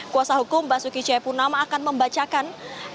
kuasa hukum basuki ceyapurnama akan membacakan